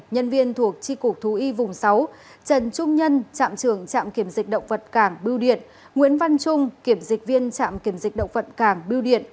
nhân viên thuộc tri cục thú y vùng sáu trần trung nhân trạm trường trạm kiểm dịch động vật cảng bưu điện nguyễn văn trung kiểm dịch viên trạm kiểm dịch động vật cảng bưu điện